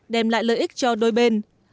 đem lại lợi ích cho đôi bên